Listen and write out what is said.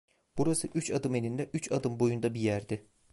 Burası üç adım eninde, üç adım boyunda bir yerdi.